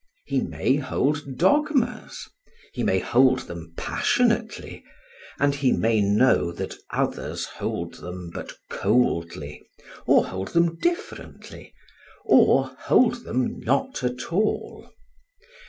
He may hold dogmas; he may hold them passionately; and he may know that others hold them but coldly, or hold them differently, or hold them not at all.